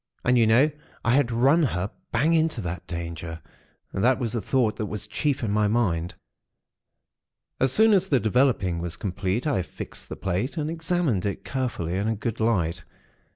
And, you know, I had run her bang into that danger. That was the thought that was chief in my mind. "As soon as the developing was complete, I fixed the plate, and examined it carefully in a good light.